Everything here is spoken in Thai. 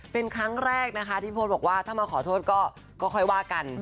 เป็นครั้งแรกนะคะที่โพสต์บอกว่าถ้ามาขอโทษก็ค่อยว่ากัน